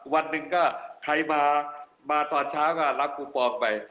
วันหนึ่งก็ใครมาตอนเช้าก็รับคูปองไป